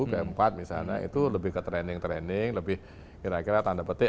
keempat misalnya itu lebih ke training training lebih kira kira tanda petik